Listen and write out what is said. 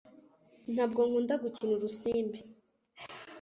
Ntabwo nkunda gukina urusimbi,